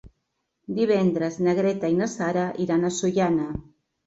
Divendres na Greta i na Sara iran a Sollana.